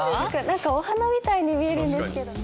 なんかお花みたいに見えるんですけど。